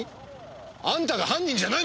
あんたが犯人じゃないのか！